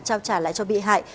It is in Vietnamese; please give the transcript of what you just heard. trao trả lại cho bị hại